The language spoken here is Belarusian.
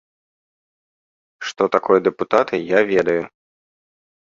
Што такое дэпутаты, я ведаю.